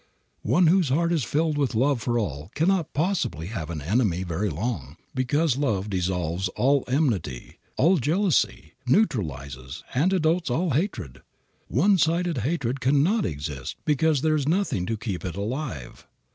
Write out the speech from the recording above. One whose heart is filled with love for all cannot possibly have an enemy very long, because love dissolves all enmity, all jealousy, neutralizes, antidotes all hatred. One sided hatred cannot exist because there is nothing to keep it alive.